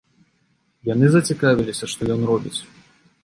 Яны зацікавіліся, што ён робіць.